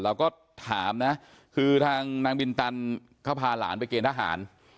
เราก็ถามนะคือทางนางบินตันเขาพาหลานไปเกณฑหาร